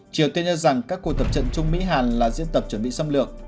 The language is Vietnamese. triều tiên cho rằng các cuộc tập trận chung mỹ hàn là diễn tập chuẩn bị xâm lược